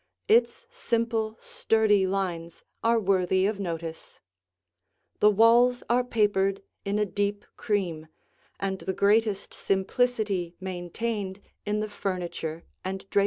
Its simple, sturdy lines are worthy of notice. The walls are papered in a deep cream, and the greatest simplicity maintained in the furniture and draperies.